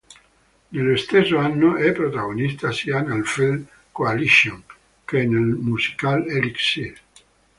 Nello stesso anno è protagonista sia nel film "Coalition" che nel musical "Elixir.